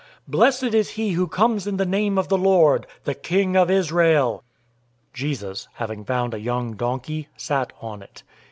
Blessed is he who comes in the name of the Lord,{Psalm 118:25 26} the King of Israel!" 012:014 Jesus, having found a young donkey, sat on it.